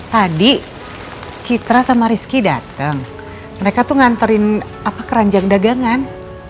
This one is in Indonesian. tadi citra sama rizky dateng mereka tuh nganterin apa keranjang dagangan